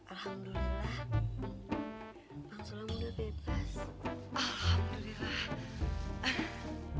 alhamdulillah bang solom udah bebas